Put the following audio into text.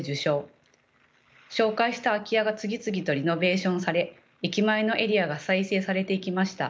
紹介した空き家が次々とリノベーションされ駅前のエリアが再生されていきました。